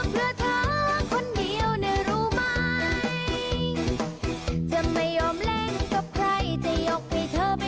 จะสดหมดใจเธอมองเหมือนเคยทั้งสวัสดีครับ